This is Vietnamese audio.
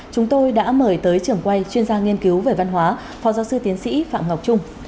chúng tôi đã mời tới trưởng quay chuyên gia nghiên cứu về văn hóa phó giáo sư tiến sĩ phạm ngọc trung